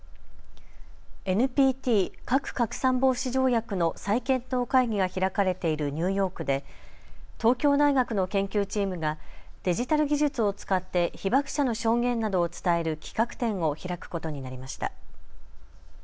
ＮＰＴ・核拡散防止条約の再検討会議が開かれているニューヨークで東京大学の研究チームがデジタル技術を使って被爆者の証言などを伝える企画展を開くことになりました。